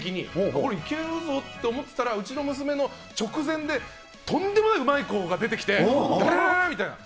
これいけるぞって思ってたらうちの娘の直前でとんでもないうまい子が出てきて、えー！